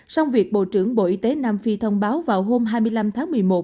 xong việc bộ trưởng bộ y tế nam phi thông báo vào hôm hai mươi năm tháng một mươi một